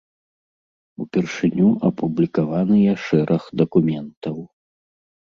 Упершыню апублікаваныя шэраг дакументаў.